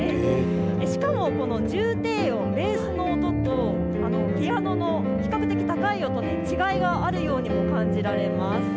しかも重低音、ベースの音とピアノも比較的高い音で違いがあるようにも感じられます。